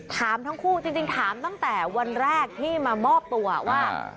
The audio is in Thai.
ถามทั้งคู่จริงถามตั้งแต่วันแรกที่มามอบตัวว่า